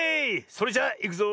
それじゃいくぞ。